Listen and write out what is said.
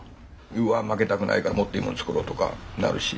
うわ負けたくないからもっといいもの作ろうとかなるし。